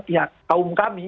pihak kaum kami